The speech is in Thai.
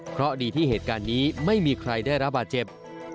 เพราะดีที่เหตุการณ์นี้ไม่มีใครได้รับบาดเจ็บ